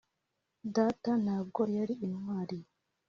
data, ntabwo yari intwari